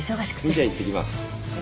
んじゃあいってきます。